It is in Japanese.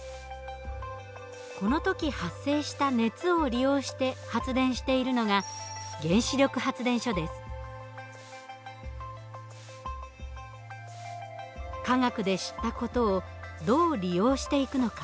この時発生した熱を利用して発電しているのが科学で知った事をどう利用していくのか？